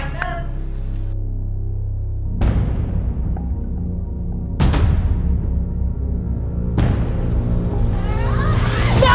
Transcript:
ได้ล่ะ